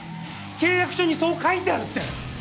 契約書にそう書いてあるって！